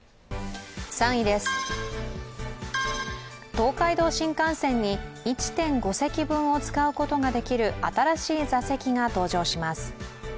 東海道新幹線に１．５席分を使うことができる新しい座席が登場します。